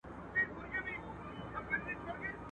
تر ملاغې ئې لاستی دروند سو.